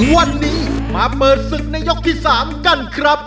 วันนี้มาเปิดศึกในยกที่๓กันครับ